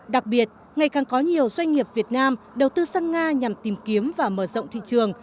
đặc biệt ngày càng có nhiều doanh nghiệp việt nam đầu tư sang nga nhằm tìm kiếm và mở rộng thị trường